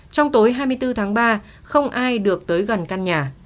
trong tối hai mươi bốn tháng ba không ai được tới gần căn nhà